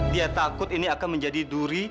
dia takut ini akan menjadi duri